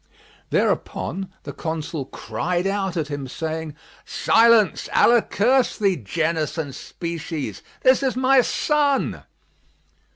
Thereupon the Consul cried out at him, saying, "Silence, Allah curse thee, genus and species! This is my son."